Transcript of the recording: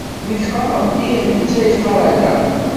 Nekk qqareɣ ih, netta yeqqar ala.